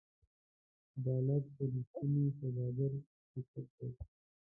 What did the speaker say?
عدالت د رښتیني سوداګر صفت دی.